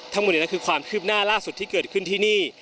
ทั้งหมดนี้คือความคืบหน้าล่าสุดที่เกิดขึ้นที่นี่